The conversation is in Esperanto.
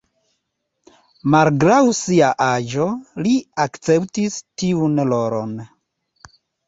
Malgraŭ sia aĝo, li akceptis tiun rolon.